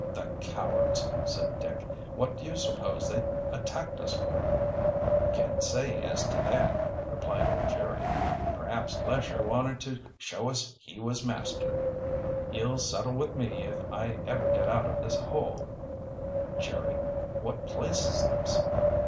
"The cowards!" said Dick. "What do you suppose they attacked us for?" "Can't say as to that," replied old Jerry. "Perhaps Lesher wanted to show us he was master." "He'll settle with me if I ever get out of this hole, Jerry. What place is this?"